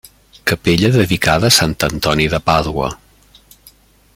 Capella dedicada a Sant Antoni de Pàdua.